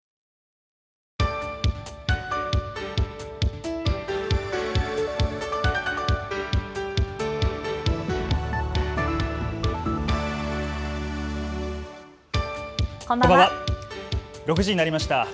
６時になりました。